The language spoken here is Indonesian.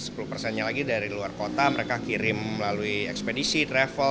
sepuluh persennya lagi dari luar kota mereka kirim melalui ekspedisi travel